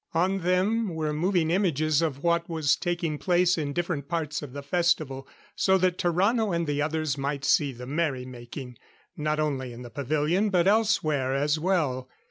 On them were moving images of what was taking place in different parts of the festival so that Tarrano and the others might see the merry making, not only in the pavilion, but elsewhere, as well.